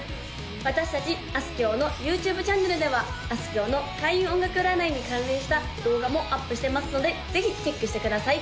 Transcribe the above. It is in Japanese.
私達あすきょうのＹｏｕＴｕｂｅチャンネルではあすきょうの開運音楽占いに関連した動画もアップしてますのでぜひチェックしてください